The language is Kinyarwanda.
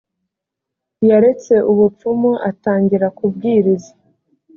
yaretse ubupfumu atangira kubwiriza